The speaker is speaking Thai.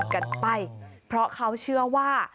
กันไปเพราะเขาเชื่อว่า